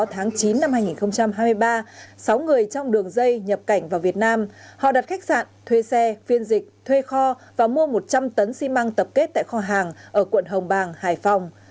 họ đặt khách sạn thuê xe phiên dịch thuê kho và mua một trăm linh tấn xi măng tập kết tại kho hàng ở quận hồng bàng hải phòng